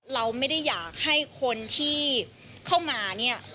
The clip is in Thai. เราไม่ได้อยากให้คนที่เข้ามาเนี่ย